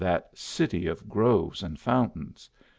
85 that city of groves at .d fountains.